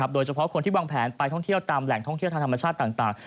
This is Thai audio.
โดยเฉพาะคนที่วางแผนไปท่องเที่ยวตามแหล่งท่องเที่ยวทางธรรมชาติต่าง